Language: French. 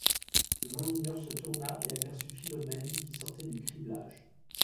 Le moulineur se tourna et aperçut Philomène qui sortait du criblage.